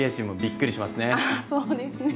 あそうですね。